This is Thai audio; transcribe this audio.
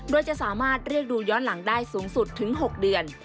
โดยจะสามารถเรียกดูย้อนหลังได้สูงสุดถึง๖เดือน